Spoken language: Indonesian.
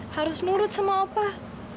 harus nurut sama opah